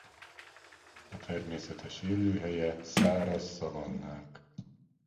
A természetes élőhelye száraz szavannák.